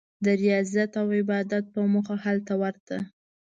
د ریاضت او عبادت په موخه هلته ورته.